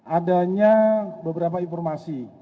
adanya beberapa informasi